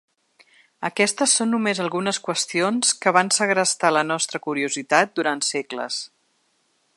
Aquestes són només algunes qüestions que van segrestar la nostra curiositat durant segles.